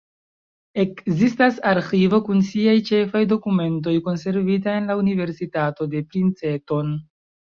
Ekzistas arĥivo kun siaj ĉefaj dokumentoj konservita en la Universitato de Princeton.